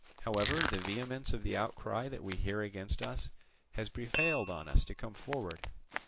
However, the vehemence of the outcry that we hear against us has prevailed on us to come forward.